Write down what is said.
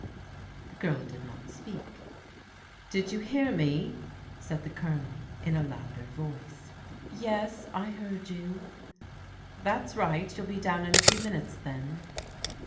The girl did not speak. *^Did you hear me?" said the Colonel in a louder voice. " Yes, I heard you." " That's right. You'll be down in a few minutes, then?"